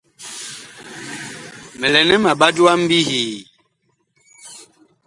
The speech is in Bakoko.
Mi lɛ nɛ ma ɓat wa mbihii ?